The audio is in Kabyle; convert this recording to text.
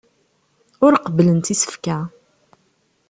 Ur qebblent isefka.